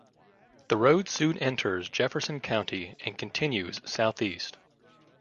The road soon enters Jefferson County and continues southeast.